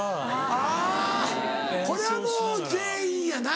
あぁこれはもう全員やな。